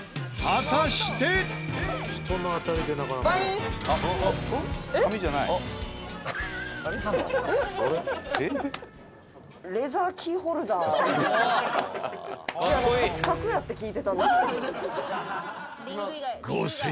「勝ち確やって聞いてたんですけど」